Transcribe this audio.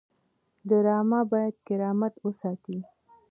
ډرامه باید کرامت وساتي